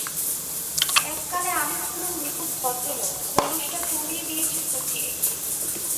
এককালে আমি ছিলুম নিখুঁত ভদ্রলোক, খোলসটা তুমিই দিয়েছ ঘুচিয়ে।